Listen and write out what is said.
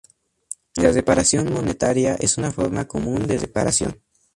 La reparación monetaria es una forma común de reparación.